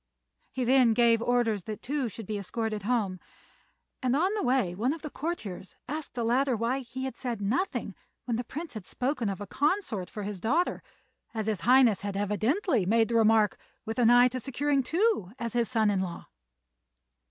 He then gave orders that Tou should be escorted home; and on the way one of the courtiers asked the latter why he had said nothing when the Prince had spoken of a consort for his daughter, as his Highness had evidently made the remark with an eye to securing Tou as his son in law.